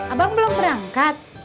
abang belum berangkat